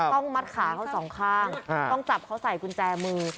ต้องมัดขาเขาสองข้างต้องจับเขาใส่กุญแจมือ